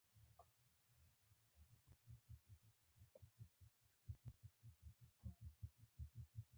خو په څاه کې غورځېدل بیا سړی ته ښه نه وي.